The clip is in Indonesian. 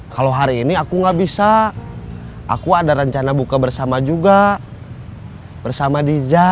kalau hari ini aku gak bisa aku ada rencana buka bersama juga bersama dija